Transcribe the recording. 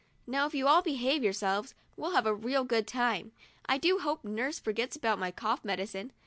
Now if you all behave yourselves, we'll have a real good time. I do hope nurse forgets about my cough medicine.